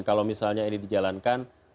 kalau misalnya ini dijalankan